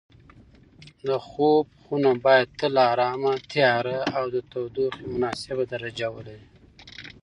د خوب خونه باید تل ارامه، تیاره او د تودوخې مناسبه درجه ولري.